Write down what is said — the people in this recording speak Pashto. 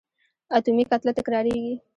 اتومي کتله تکرارېږي.